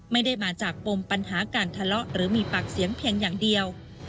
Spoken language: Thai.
ไม่ได้มาจากปมปัญหาการทะเลาะหรือมีปากเสียงเพียงอย่างเดียว